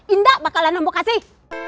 indah bakalan ambo kasih